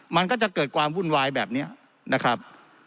มันก็จะเกิดความวุ่นวายแบบนี้นะครับ